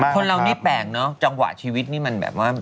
คนเรานี่แปลกเนอะจังหวะชีวิตนี่มันแบบว่า